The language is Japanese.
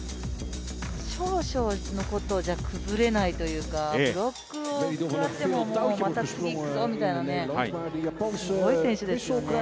少々のことじゃ崩れないというかブロックを食らってもまた次にいくぞみたいな、すごい選手ですよね。